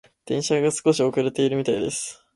電車が少し遅れているみたいです。